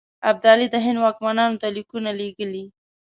ابدالي د هند واکمنانو ته لیکونه لېږلي.